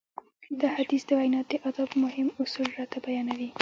دا حديث د وينا د ادابو مهم اصول راته بيانوي.